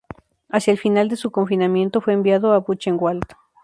Hacia el final de su confinamiento, fue enviado a Buchenwald.